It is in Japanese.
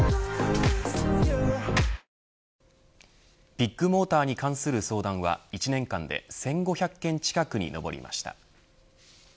ビッグモーターに関する相談は１年間で１５００件近くに上りました。